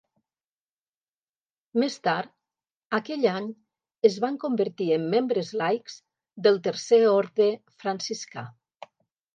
Més tard, aquell any es van convertir en membres laics del Tercer Orde Franciscà.